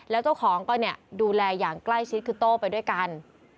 แล้วเจ้าของก็เนี่ยดูแลอย่างใกล้ชิดคือโต้ไปด้วยกัน